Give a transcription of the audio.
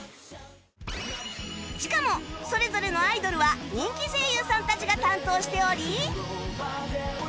しかもそれぞれのアイドルは人気声優さんたちが担当しており